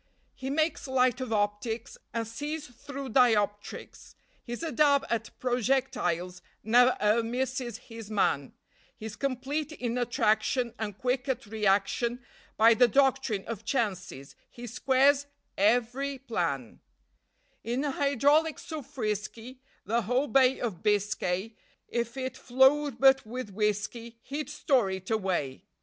He makes light of optics, and sees through dioptrics, He's a dab at projectiles ne'er misses his man; He's complete in attraction, and quick at reaction, By the doctrine of chances he squares every plan; In hydraulics so frisky, the whole Bay of Biscay, If it flowed but with whiskey, he'd store it away.